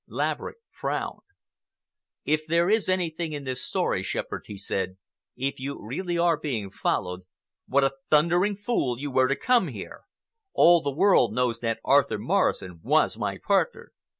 Laverick frowned. "If there is anything in this story, Shepherd," he said, "if you are really being followed, what a thundering fool you were to come here! All the world knows that Arthur Morrison was my partner."